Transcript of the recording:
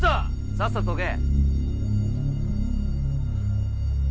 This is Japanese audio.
さっさとどけ！